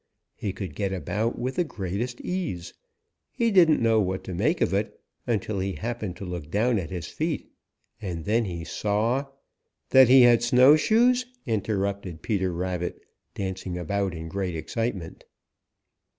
He could get about with the greatest ease. He didn't know what to make of it until he happened to look down at his feet and then he saw " "That he had snowshoes!" interrupted Peter Rabbit, dancing about in great excitement.